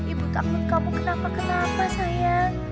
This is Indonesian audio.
ibu takut kamu kenapa kenapa sayang